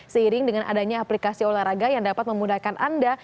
seiring dengan adanya aplikasi olahraga yang dapat memudahkan anda